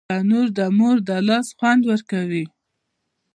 تنور د مور د لاس خوند ورکوي